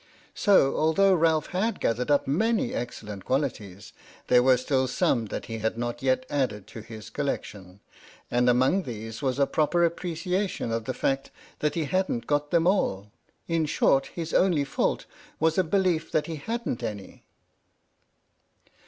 So, although Ralph had gathered up many excellent qualities, there were still some that he had not yet added to his collection, and among these was a proper appreciation of the fact that he hadn't got them all. In short, his only fault was a belief that he hadn't any.